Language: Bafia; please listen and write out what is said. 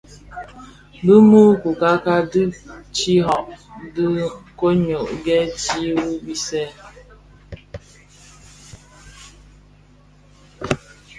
Bi mü coukaka dhi tihaň dhi koň nyô-ndhèti wu bisèè.